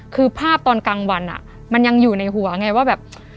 คือภาพตอนกลางวันมันยังอยู่ในหัวไงว่าแบบ